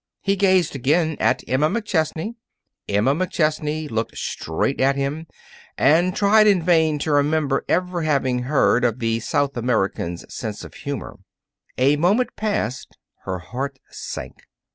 He gazed again at Emma McChesney. Emma McChesney looked straight at him and tried in vain to remember ever having heard of the South American's sense of humor. A moment passed. Her heart sank.